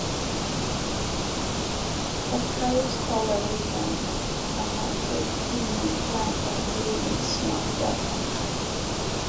The tribes called the region "Conneauttee", meaning "land of the living snowflake".